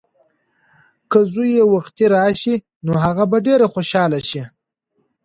که زوی یې وختي راشي نو هغه به ډېره خوشحاله شي.